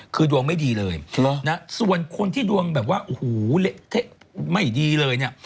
คือดวงไม่ดีเลยนะส่วนคนที่ดวงแบบว่าโอ้โหเละเทะไม่ดีเลยเนี่ย